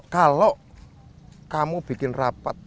kalau kamu bikin rapat